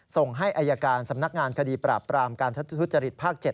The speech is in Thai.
ส่งให้อายการสำนักงานคดีปราบปรามการทุจริตภาค๗